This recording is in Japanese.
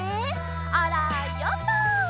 あらヨット！